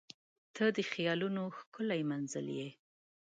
• ته د خیالونو ښکلی منزل یې.